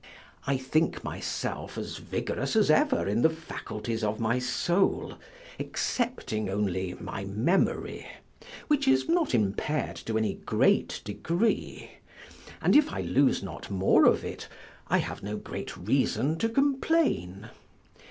I think myself as vigorous as ever in the faculties of my soul, excepting only my memory, which is not impair'd to any great degree; and if I lose not more of it, I have no great reason to complain.